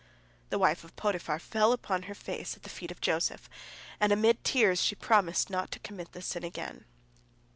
The wife of Potiphar fell upon her face at the feet of Joseph, and amid tears she promised not to commit this sin again.